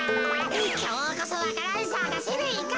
きょうこそわか蘭さかせるイカ。